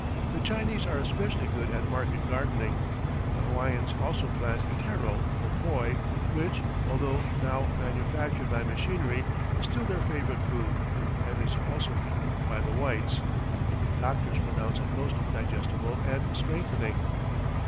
The Chinese are especially good at market gardening. The Hawaiians also plant taro for poi, which, although now manufactured by machinery, is still their favourite food, and is also eaten by the whites. Doctors pronounce it most digestible and strengthening.